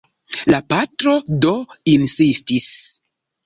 La patro do insistis.